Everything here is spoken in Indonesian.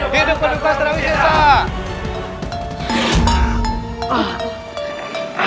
hidup paduka surawis sesa